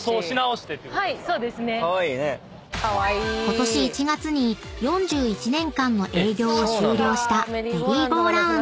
［ことし１月に４１年間の営業を終了したメリーゴーラウンド］